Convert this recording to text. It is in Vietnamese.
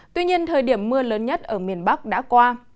tuy nhiên thời điểm mưa lớn nhất ở miền bắc đã qua